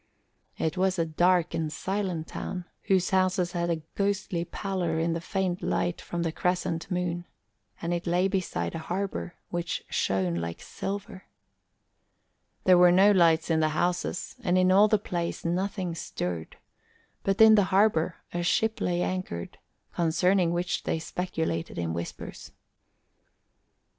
It was a dark and silent town, whose houses had a ghostly pallor in the faint light from the crescent moon, and it lay beside a harbour which shone like silver. There were no lights in the houses and in all the place nothing stirred; but in the harbour a ship lay anchored, concerning which they speculated in whispers.